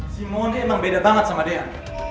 si mondi emang beda banget sama deyan